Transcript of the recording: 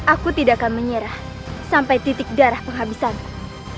aku tidak akan menyerah sampai titik darah penghabisanku